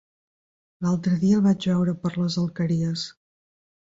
L'altre dia el vaig veure per les Alqueries.